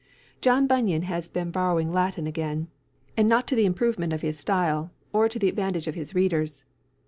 John Bunyan has been borrowing Latin again, and not to the improvement of his style, or to the advantage of his readers.